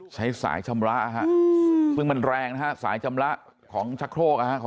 ใช้สายชำระฮะซึ่งมันแรงนะฮะสายชำระของชะโครกนะฮะ